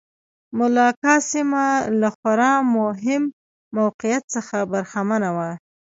ملاکا سیمه له خورا مهم موقعیت څخه برخمنه وه.